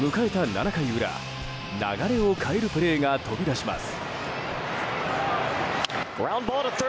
７回裏、流れを変えるプレーが飛び出します。